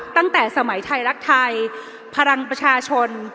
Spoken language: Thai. ตั้งแต่สมัยไทยรักไทยพลังประชาชน